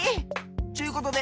ちゅうことではい